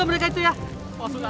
mereka tuh orang itu